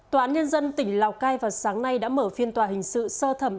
tòa án nhân dân tỉnh lào cai vào sáng nay đã mở phiên tòa hình sự sơ thẩm